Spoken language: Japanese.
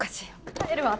帰るわ私！